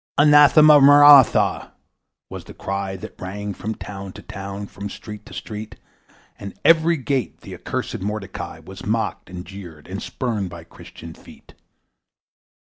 Anathema maranatha! was the cry That rang from town to town, from street to street; At every gate the accursed Mordecai Was mocked and jeered, and spurned by Christian feet.